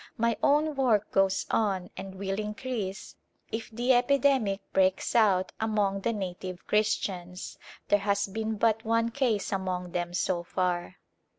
My own work goes on and will increase if the epidemic breaks out among the native Christians ; there has been but one case among them so far.